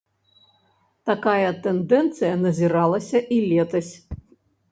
Такая тэндэнцыя назіралася і летась.